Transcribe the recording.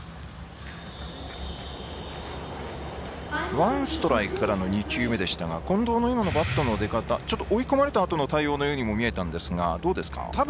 ワンストライクからの２球目でしたが近藤の今のバットの出方追い込まれたときの対応のようにも見えましたが、どうでしたか。